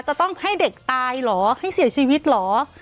จะต้องให้เด็กตายเหรอให้เสียชีวิตเหรอ